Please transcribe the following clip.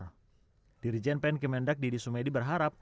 dirjen pengembangan ekspor nasional kemendak didi sumedi berharap